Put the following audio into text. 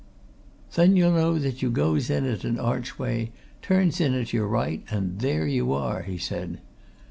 "Then you'll know that you goes in at an archway, turns in at your right, and there you are," he said.